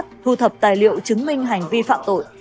thu thập tài liệu chứng minh hành vi phạm tội